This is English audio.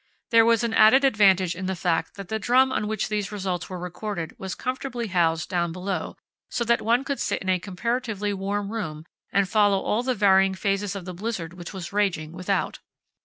There was an added advantage in the fact that the drum on which these results were recorded was comfortably housed down below, so that one could sit in a comparatively warm room and follow all the varying phases of the blizzard which was raging without.